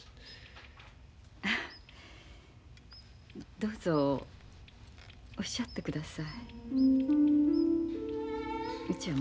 どうぞおっしゃってください。